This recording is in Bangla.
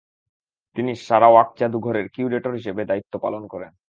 তিনি সারাওয়াক জাদুঘরের কিউরেটর হিসেবে দায়িত্ব পালন করেন।